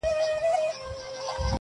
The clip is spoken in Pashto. له بري څخه بري ته پاڅېدلی!!